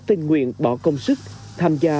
tình nguyện bỏ công sức tham gia